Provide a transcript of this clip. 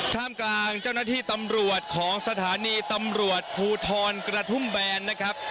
ท่ามกลางเจ้าหน้าที่ตำรวจของสถานีตำรวจภูทรกระทุ่มแบนนะครับ